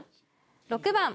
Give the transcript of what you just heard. ６番